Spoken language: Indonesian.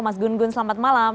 mas gun gun selamat malam